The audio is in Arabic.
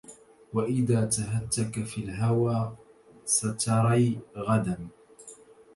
وإذا تهتك في الهوى ستري غدا